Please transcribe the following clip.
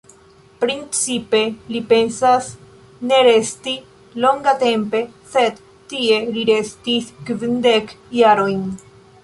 Principe, li pensas ne resti longatempe, sed tie li restis kvindek jarojn.